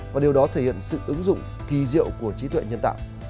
và điều đó thể hiện sự ứng dụng kỳ diệu của trí tuệ nhân tạo